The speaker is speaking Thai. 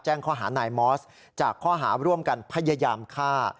ข้อหานายมอสจากข้อหาร่วมกันพยายามฆ่า